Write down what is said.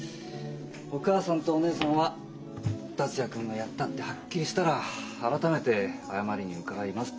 お母さんとお姉さんは「達也君がやったってはっきりしたら改めて謝りに伺います」っておっしゃってましたよ。